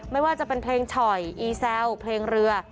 ไม่ว่าจะเป็นเพลงฉ่อยอีแซวเพลงเรือ